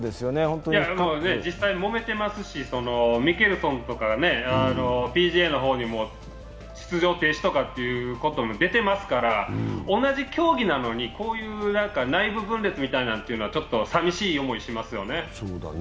実際もめてますし、ミケルソンとかＰＧＡの方に出場停止とか出てますから同じ競技なのにこういう内部分裂みたいなのはちょっと寂しい思いしますよね。